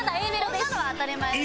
こんなのは当たり前です。